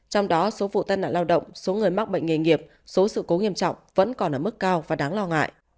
trong đó số vụ tai nạn lao động số người mắc bệnh nghề nghiệp số sự cố nghiêm trọng vẫn còn ở mức cao và đáng lo ngại